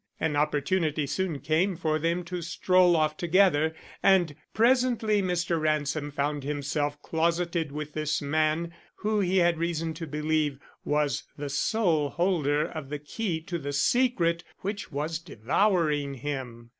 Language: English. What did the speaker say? An opportunity soon came for them to stroll off together, and presently Mr. Ransom found himself closeted with this man who he had reason to believe was the sole holder of the key to the secret which was devouring him.